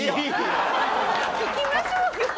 聞きましょうよ。